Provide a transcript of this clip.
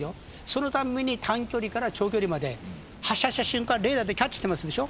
そのたびに短距離から長距離まで発射した瞬間からレーダーでキャッチしている。